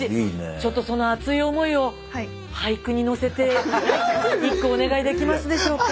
ちょっとその熱い思いを俳句に乗せて一句お願いできますでしょうか？